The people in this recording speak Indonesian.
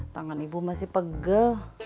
tangan ibu masih pegel